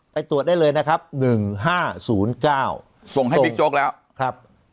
ไปตรวจได้เลยนะครับหนึ่งห้าศูนย์เก้าส่งให้วิกโจ๊กแล้วครับ